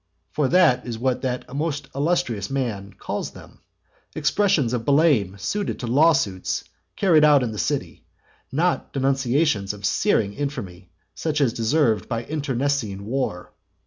For that is what this most illustrious man calls them; expressions of blame suited to lawsuits carried on in the city, not denunciations of searing infamy such as deserved by internecine war.